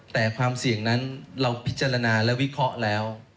แต่ความเสี่ยงนั้นเราพิจารณาและวิเคราะห์แล้ว